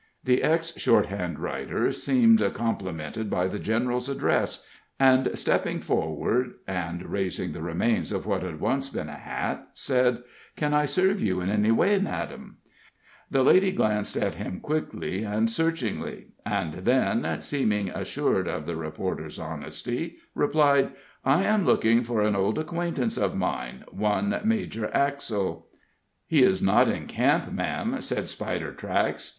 The ex shorthand writer seemed complimented by the general's address, and stepping forward and raising the remains of what had once been a hat, said: "Can I serve you in any way, madame?" The lady glanced at him quickly and searchingly, and then, seeming assured of the reporter's honesty, replied: "I am looking for an old acquaintance of mine one Major Axell." "He is not in camp, ma'am," said Spidertracks.